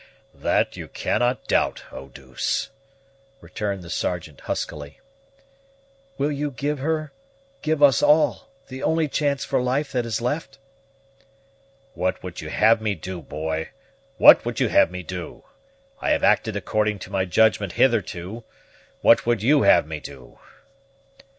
"That you cannot doubt, Eau douce," returned the Sergeant huskily. "Will you give her give us all the only chance for life that is left?" "What would you have me do, boy, what would you have me do? I have acted according to my judgment hitherto, what would you have me do?"